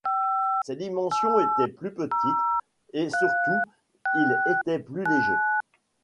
Ses dimensions était plus petites et surtout il était plus léger.